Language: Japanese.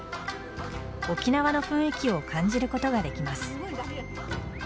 沖縄の雰囲気を感じることができます。